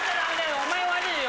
お前悪いよ。